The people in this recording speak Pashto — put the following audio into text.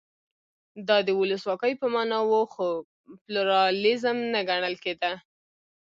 دا د ولسواکۍ په معنا و خو پلورالېزم نه ګڼل کېده.